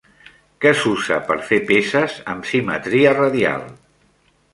Què s'usa per fer peces amb simetria radial?